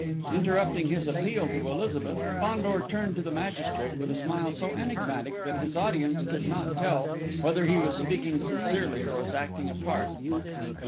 Interrupting his appeal to Elizabeth, Fandor turned to the magistrate with a smile so enigmatic that his audience could not tell whether he was speaking sincerely or was acting a part.